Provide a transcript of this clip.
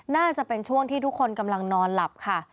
น่าจะเป็นช่วงที่ทุกคนกำลังนอนหลับค่ะ